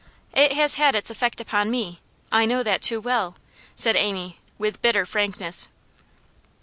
'It has had its effect upon me I know that too well,' said Amy, with bitter frankness.